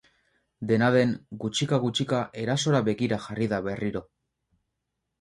Dena den, gutxika-gutxika erasora begira jarri da berriro.